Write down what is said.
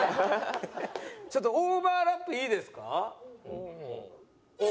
ちょっとオーバーラップいいですか？